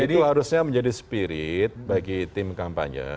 itu harusnya menjadi spirit bagi tim kampanye